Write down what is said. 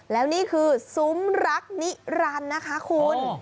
แล้วนี่คือซุ้มรักนิรันดิ์นะคะคุณ